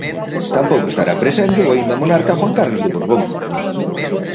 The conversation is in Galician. Tampouco estará presente o aínda monarca Juan Carlos de Borbón.